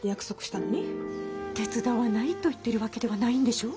手伝わないと言ってるわけではないんでしょ？